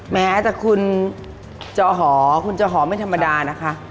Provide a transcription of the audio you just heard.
แหมแต่คุณเจ้าหอไม่ธรรมดานะคะ